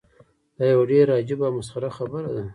دا یوه ډیره عجیبه او مسخره خبره ده.